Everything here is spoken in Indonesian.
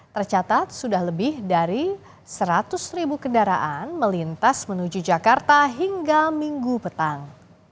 tercatat sudah lebih dari seratus ribu kendaraan melintas menuju jakarta hingga minggu petang